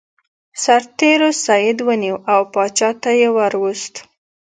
سرتیرو سید ونیو او پاچا ته یې ور وست.